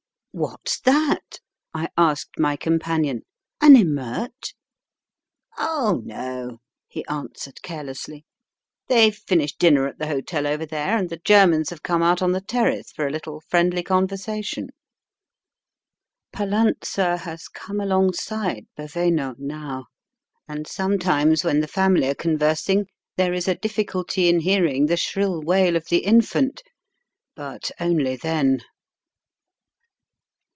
" What's that ?" I asked my companion, an Smeute? " 0h no," he answered carelessly, " they've finished dinner at the hotel over there, and the Germans have come out on the terrace for a little friendly conversation." Pallanza has come alongside Baveno now, and sometimes when the family are conversing there is a difficulty in hearing the shriU wail of the infant. But only then.